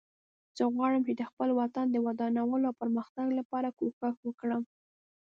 زه غواړم چې د خپل وطن د ودانولو او پرمختګ لپاره کوښښ وکړم